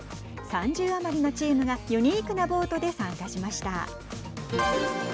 ３０余りのチームがユニークなボートで参加しました。